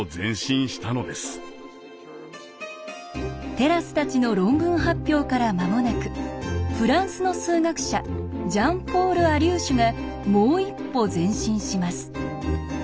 テラスたちの論文発表から間もなくフランスの数学者ジャン・ポール・アリューシュがもう一歩前進します。